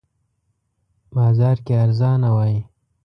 بازار کې ارزانه وی